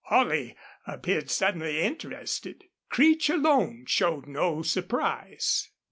Holley appeared suddenly interested. Creech alone showed no surprise.